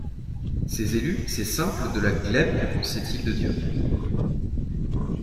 Ces élus, ces simples de la glèbe que pensaient-ils de Dieu?